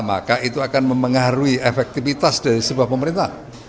maka itu akan mempengaruhi efektivitas dari sebuah pemerintah